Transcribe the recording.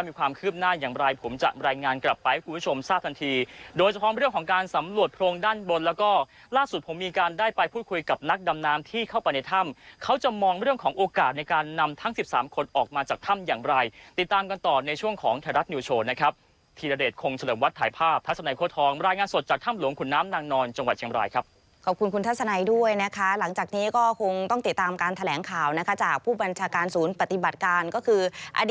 สำหรับสำหรับสำหรับสำหรับสำหรับสำหรับสำหรับสำหรับสำหรับสำหรับสำหรับสำหรับสำหรับสำหรับสำหรับสำหรับสำหรับสำหรับสำหรับสำหรับสำหรับสำหรับสำหรับสำหรับสำหรับสำหรับสำหรับสำห